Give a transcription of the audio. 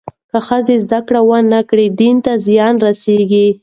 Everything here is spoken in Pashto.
که ښځې زدهکړه ونه کړي، دین ته زیان رسېږي.